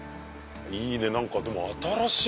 いいね何かでも新しい。